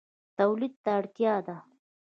تولید ته اړتیا ده